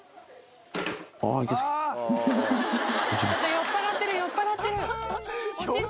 酔っぱらってる酔っぱらってる。